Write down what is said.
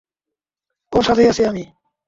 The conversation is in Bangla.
ওর সাথেই আছি আমি।